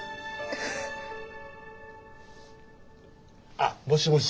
あっもしもし？